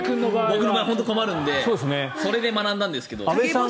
僕は本当に困るのでそれで学んだんですけど。